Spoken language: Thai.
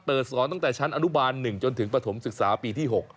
สอนตั้งแต่ชั้นอนุบาล๑จนถึงปฐมศึกษาปีที่๖